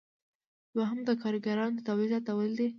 دوهم د کاریګرانو د تولید زیاتول دي.